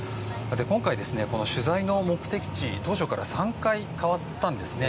今回、取材の目的地から変わったんですね。